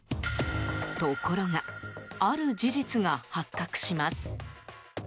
ところがある事実が発覚します。